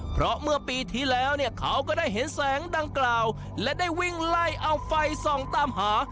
เพราะเมื่อปีที่แล้วเนี่ยเขาก็ได้เห็นแสงดังกล่าวและได้วิ่งไล่เอาไฟส่องตามหา